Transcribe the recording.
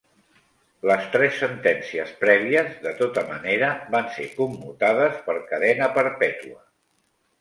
Las tres sentències prèvies de tota manera van ser commutades per cadena perpètua.